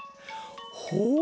ほう！